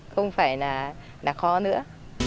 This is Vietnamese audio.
không phải là khó nữa